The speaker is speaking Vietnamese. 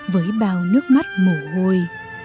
với bao nước mắt mổ hôi